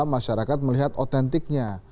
masyarakat melihat otentiknya